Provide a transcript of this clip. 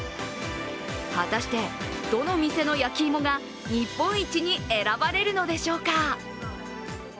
果たして、どの店の焼き芋が日本一に選ばれるのでしょうか。